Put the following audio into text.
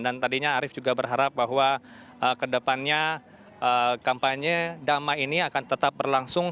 dan tadinya arief juga berharap bahwa ke depannya kampanye dama ini akan tetap berlangsung